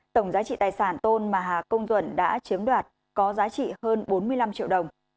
tổng giá trị tài sản tôn mà hà công duẩn đã chiếm đoạt có giá trị hơn bốn mươi năm triệu đồng